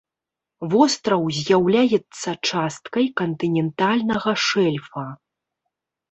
Востраў з'яўляецца часткай кантынентальнага шэльфа.